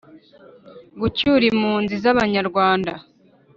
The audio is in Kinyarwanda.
Gucyura impunzi z abanyarwanda